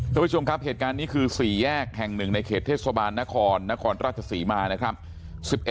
ทุกผู้ชมครับเหตุการณ์นี้คือ๔แยกแห่งหนึ่งในเขตเทศบาลนครนครราชศรีมานะครับ